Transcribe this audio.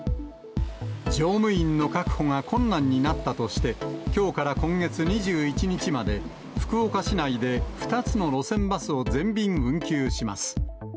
乗務員の確保が困難になったとして、きょうから今月２１日まで、福岡市内で２つの路線バスを全便運休します。